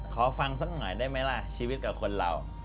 ขอฟังสักหน่อยได้ไหมล่ะชีวิตกับคนเรา